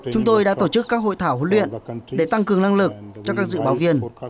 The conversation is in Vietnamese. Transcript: chúng tôi đã tổ chức các hội thảo huấn luyện để tăng cường năng lực cho các dự báo viên